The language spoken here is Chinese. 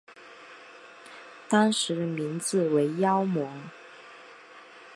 当时的名字为妖魔。